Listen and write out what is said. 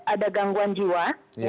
ada gangguan jiwa